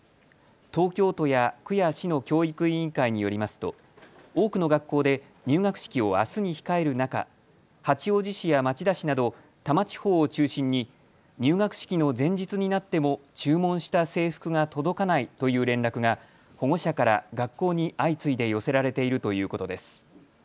東京都や区や市の教育委員会によりますと多くの学校で入学式をあすに控える中、八王子市や町田市など多摩地方を中心に入学式の前日になっても注文した制服が届かないという連絡が保護者から学校に相次いで寄せられているということです。